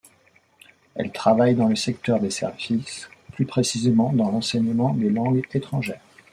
Elle travaille dans le secteur des services, plus précisément dans l'enseignement des langues étrangères.